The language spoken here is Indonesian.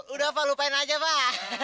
udah fah lupain aja fah